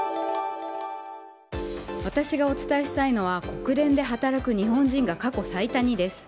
私がお伝えしたいのは国連で働く日本人が過去最多にです。